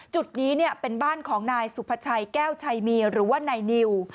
จุดนี้เป็นบ้านของนายสุภาชัยแก้วชัยมีหรือว่านายนิว